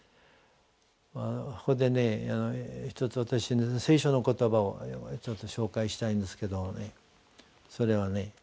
ここでね一つ私聖書の言葉を紹介したいんですけどもねそれはね